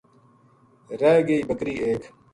رِہ گئی بکری ایک